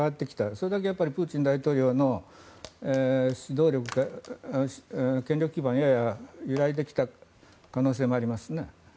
それだけプーチン大統領の指導力が権力基盤がやや揺らいできた可能性もありますね。